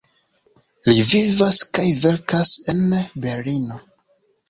Li vivas kaj verkas en Berlino.